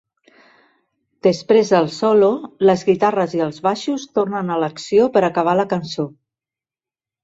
Després del solo les guitarres i els baixos tornen a l'acció per acabar la cançó.